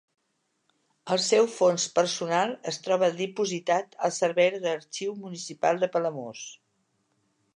El seu fons personal es troba dipositat al Servei d’Arxiu Municipal de Palamós.